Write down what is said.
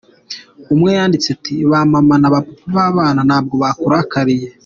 Umwe yanditse ati "Ba Mama na ba Papa b’abana ntabwo bakurakariye.